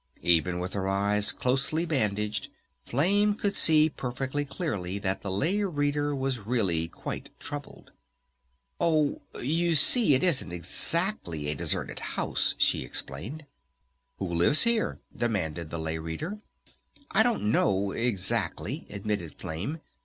Even with her eyes closely bandaged Flame could see perfectly clearly that the Lay Reader was really quite troubled. "Oh, but you see it isn't exactly a deserted house," she explained. "Who lives here?" demanded the Lay Reader. "I don't know exactly," admitted Flame.